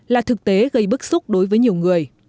là thực tế gây bức xúc đối với nhiều người